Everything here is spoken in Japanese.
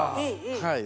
はい。